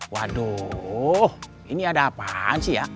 waduh ini ada apaan sih ya